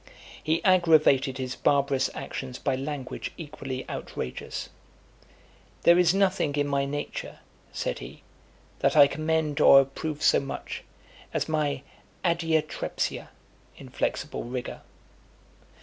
XXIX. He aggravated his barbarous actions by language equally outrageous. "There is nothing in my nature," said he, "that I commend or approve so much, as my adiatrepsia (inflexible rigour)."